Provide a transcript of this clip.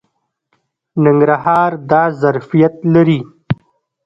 ننګرهار دا ظرفیت لري.